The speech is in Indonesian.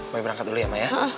boleh berangkat dulu ya mbak ya